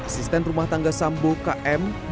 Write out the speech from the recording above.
asisten rumah tangga sambo km